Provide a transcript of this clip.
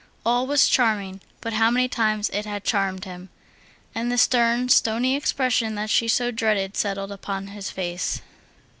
All was charming, but how many times it had charmed him! And the stern, stony expression that she so dreaded settled upon his face.